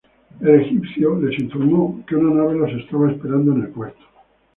El egipcio les informó que una nave los estaba esperando en el puerto.